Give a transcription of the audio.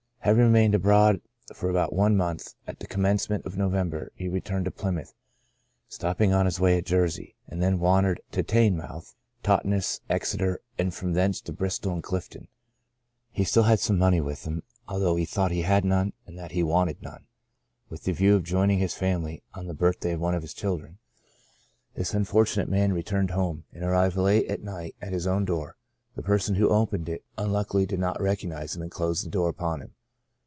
Having remained abroad for about one month, at the commence ment of November he returned to Plymouth, stopping on his way at Jersey ; and then wandered to Teignmouth, Totness, Exeter, and from thence to Bristol and Clifton. He still had some money with him, although he thought he had none, and that he wanted none. With the view of joining his family on the birthday of one of his children. ALLIED AFFECTIONS. 69 this unfortunate man returned home, and arrived late at night at his own door ; the person who opened it unluckily did not recognize him, and closed the door upon him.